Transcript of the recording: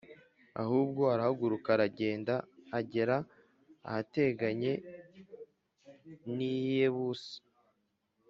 ahubwo arahaguruka aragenda agera ahateganye n i yebusi